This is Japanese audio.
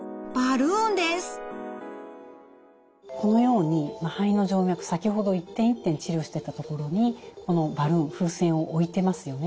このように肺の静脈先ほど一点一点治療してた所にこのバルーン風船を置いてますよね。